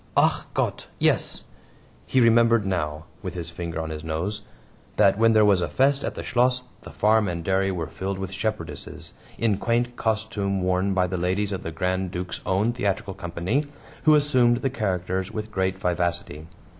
"ACH GOTT! yes!" He remembered now (with his finger on his nose) that when there was a fest at the Schloss the farm and dairy were filled with shepherdesses, in quaint costume worn by the ladies of the Grand Duke's own theatrical company, who assumed the characters with great vivacity.